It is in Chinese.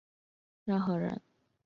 任何人不得迫使隶属于某一团体。